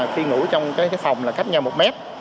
khi ngủ trong phòng là cách nhau một mét